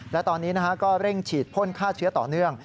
และตอนนี้ก็เร่งฉีดพ่นฆ่าเชื้อต่อเนื่อง